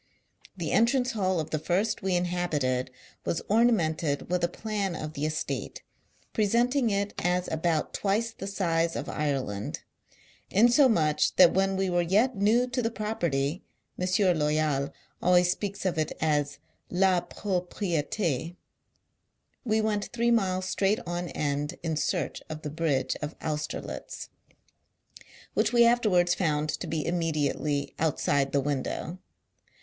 The entrance hall of the first we inhabited, was ornamented with a plan of the estate, repre senting it as about twice the size of Ireland j insomuch that when we were yet new to the 2G8 HOUSEHOLD WOEDS. [Conducted by Property (M. Loyal always speaks of it as " la propri6t6 ") we went three miles straight [ on end, in search of the bridge of Austerlitz — which we afterwards found to be immediately oiitside the window.